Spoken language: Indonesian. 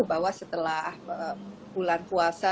bahwa setelah bulan puasa